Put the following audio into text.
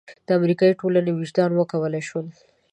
د امریکا د ټولنې وجدان وکولای شول.